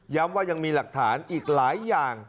ว่ายังมีหลักฐานอีกหลายอย่าง